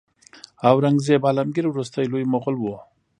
اورنګزیب عالمګیر وروستی لوی مغول و.